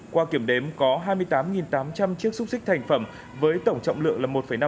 qua kiểm đếm có hai mươi tám tám trăm linh chiếc xúc xích thành phẩm với tổng trọng lượng là một năm tấn